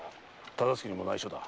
忠相にも内緒だ。